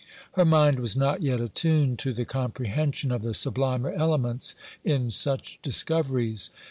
Her mind was not yet attuned to the comprehension of the sublimer elements in such discoveries.